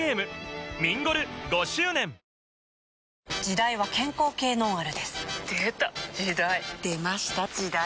時代は健康系ノンアルですでた！時代！出ました！時代！